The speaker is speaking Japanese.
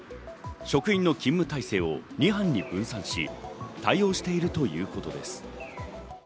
職員の勤務体制を２班に分散し、対応しているということです。